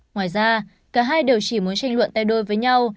ngoài ra cả hai đều chỉ muốn tranh luận tay đôi với nhau